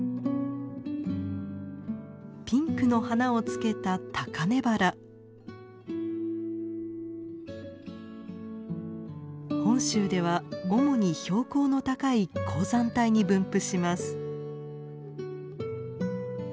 ピンクの花をつけた本州では主に標高の高い高山帯に分布します。